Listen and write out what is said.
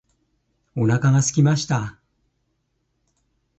お腹がすきました。